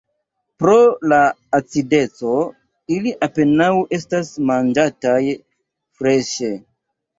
Pro la acideco ili apenaŭ estas manĝataj freŝe.